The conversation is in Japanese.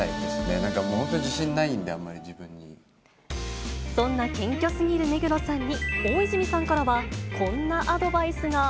なんか本当、自信ないんで、あんまり、そんな謙虚すぎる目黒さんに、大泉さんからはこんなアドバイスが。